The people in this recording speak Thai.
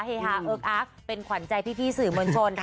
เฮฮาเอิ๊กอ๊าคเป็นขวานใจพี่สื่อเมืองชน